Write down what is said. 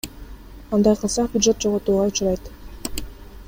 Андай кылсак бюджет жоготууга учурайт.